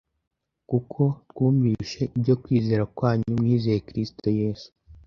Kuko twumvise ibyo kwizera kwanyu mwizeye Kristo Yesu,